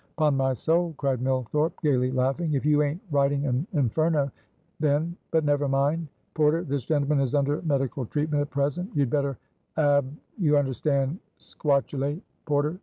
"'Pon my soul!" cried Millthorpe, gayly laughing, "if you aint writing an Inferno, then but never mind. Porter! this gentleman is under medical treatment at present. You had better ab' you understand 'squatulate, porter!